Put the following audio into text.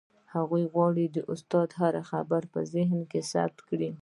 هغه غواړي د استاد هره خبره په ذهن کې ثبت کړي.